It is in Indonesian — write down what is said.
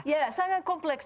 ya sangat kompleks